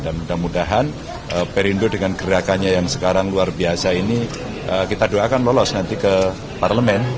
mudah mudahan perindo dengan gerakannya yang sekarang luar biasa ini kita doakan lolos nanti ke parlemen